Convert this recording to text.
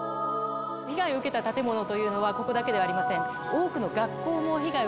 被害を受けた建物というのは、ここだけではありません。